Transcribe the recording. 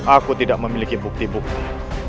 aku tidak memiliki bukti bukti